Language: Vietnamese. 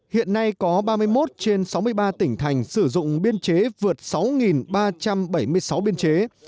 hiện nay có ba mươi một trên sáu mươi ba tỉnh thành sử dụng biên chế vượt sáu ba trăm bảy mươi sáu biên chế